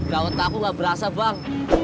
gawat aku gak berasa bang